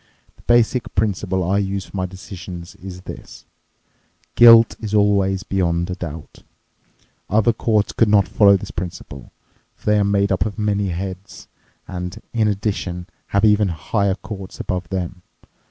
The basic principle I use for my decisions is this: Guilt is always beyond a doubt. Other courts could not follow this principle, for they are made up of many heads and, in addition, have even higher courts above them.